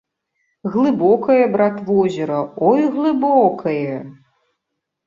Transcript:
Глыбокае, брат, возера, ой, глыбокае!